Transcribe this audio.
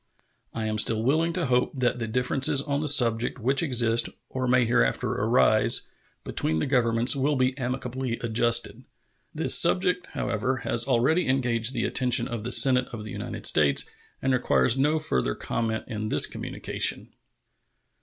I am still willing to hope that the differences on the subject which exist, or may hereafter arise, between the Governments will be amicably adjusted. This subject, however, has already engaged the attention of the Senate of the United States, and requires no further comment in this communication.